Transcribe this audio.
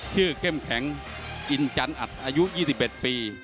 ชื่อเค่มแข็งอินจันอัตอายุ๒๑ปี